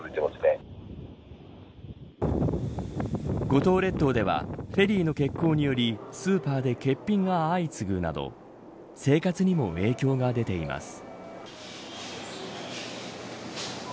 五島列島ではフェリーの欠航によりスーパーで欠品が相次ぐなど生活にも影響が出ています。